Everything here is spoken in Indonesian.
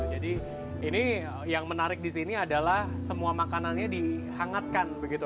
jadi ini yang menarik di sini adalah semua makanannya dihangatkan begitu